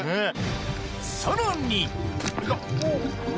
さらに！